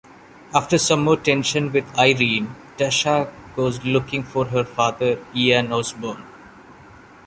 After some more tension with Irene, Tasha goes looking for her father, Ian Osbourne.